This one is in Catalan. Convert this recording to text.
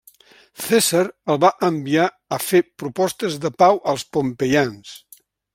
Cèsar el va enviar a fer propostes de pau als pompeians.